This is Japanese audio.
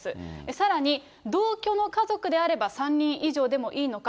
さらに、同居の家族であれば３人以上でもいいのか。